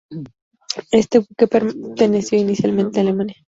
Este buque perteneció inicialmente a Alemania.